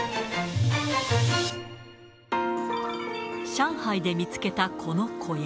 上海で見つけたこの小屋。